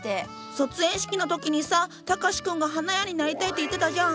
卒園式の時にさたかし君が「花屋になりたい」って言ってたじゃん。